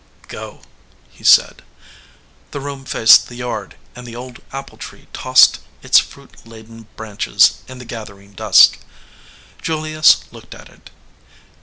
"Go," he said. The room faced the yard, and the old apple tree tossed its fruit laden branches in the gathering dusk. Julius looked at it.